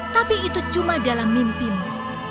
tapi itu cuma dalam mimpimu